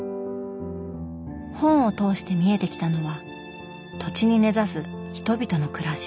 本を通して見えてきたのは土地に根ざす人々の暮らし。